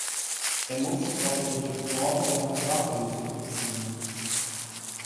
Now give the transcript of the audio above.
Er muss sich auf die Reform der Agrarpolitik beziehen.